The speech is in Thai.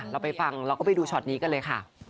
เราไปฟังเราก็ไปดูช็อตนี้กันเลยค่ะ